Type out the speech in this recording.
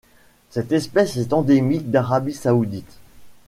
Cette espèce est endémique d'Arabie saoudite.